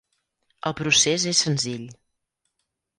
El procés és senzill.